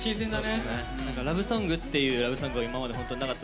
ラブソングっていうラブソングは今まで本当になかった。